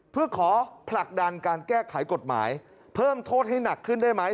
เพื่อขอผลักดันการแก้ไขกฎหมายเพิ่มโทษให้หนักขึ้นได้ไหม